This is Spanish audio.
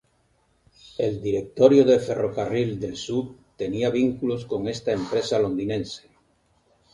El directorio de Ferrocarril del Sud tenía vínculos con esta empresa londinense.